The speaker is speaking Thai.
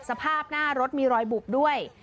สภาพหน้ารถมีรอยบุบด้วย